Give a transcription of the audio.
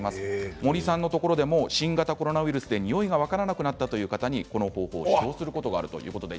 森さんのところでも新型コロナウイルスで匂いが分からなくなったという方にこの方法を指導することがあるということです。